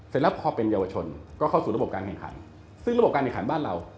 ซึ่งแล้วพอเป็นเยาวชนก็เข้าสู่ระบบการแข่งขัน